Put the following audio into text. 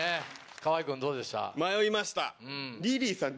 河合君どうでした？